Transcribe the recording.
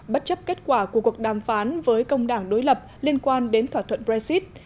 bất chấp kết quả của cuộc đàm phán với công đảng đối lập liên quan đến thỏa thuận brexit